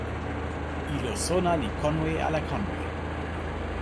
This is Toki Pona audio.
ilo sona li konwe ala konwe?